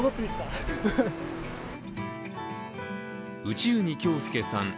内海京寛さん